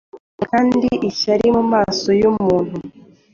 Kandi Ishyari mumaso yumuntu